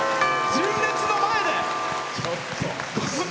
純烈の前で。